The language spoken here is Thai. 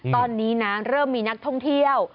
ตอนนี้นะเริ่มมีนักท่องเที่ยว